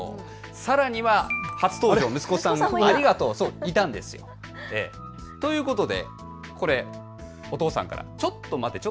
さらには初登場、息子さんのありがとう！ということでお父さんからちょっと待て。